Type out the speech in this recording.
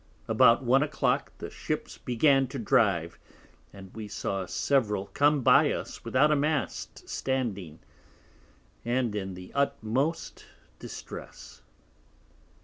About One a clock the Ships began to drive, and we saw several come by us without a Mast standing, and in the utmost Distress.